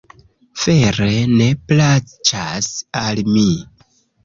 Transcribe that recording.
Vere ne plaĉas al mi